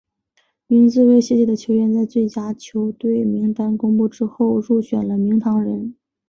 名字为斜体的球员在最佳球队名单公布之后入选了名人堂。